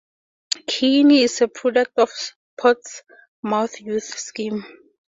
Keene is a product of the Portsmouth youth scheme.